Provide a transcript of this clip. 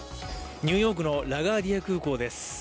ニューヨークのラガーディア空港です。